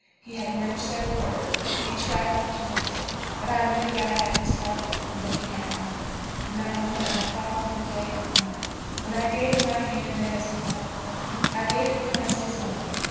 He had never said a word. He tried not to look it. But I knew that I had his heart and that he had mine. From that moment I have thought of him day and night. When I gave him my hand then as he parted from me, I gave it him as his own.